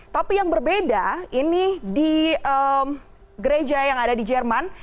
tapi yang berbeda ini di gereja yang ada di jerman